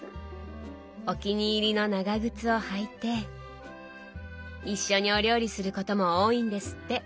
お気に入りの長靴を履いて一緒にお料理することも多いんですって。